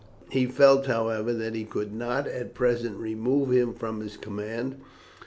He felt, however, that he could not at present remove him from his command.